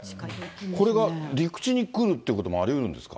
これが陸地に来るってこともありうるんですか。